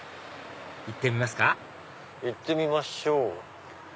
行ってみますか行ってみましょう！